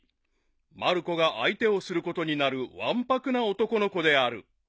［まる子が相手をすることになる腕白な男の子である］